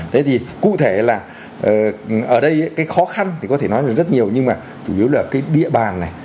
thế thì cụ thể là ở đây cái khó khăn thì có thể nói là rất nhiều nhưng mà chủ yếu là cái địa bàn này